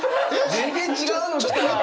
全然違うの来た。